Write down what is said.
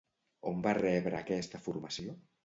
On va rebre aquesta formació?